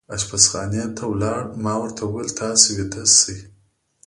اشپزخانې ته ولاړ، ما ورته وویل: تاسې ویده شئ.